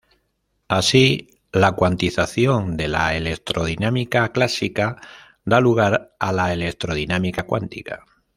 Así la cuantización de la electrodinámica clásica da lugar a la electrodinámica cuántica.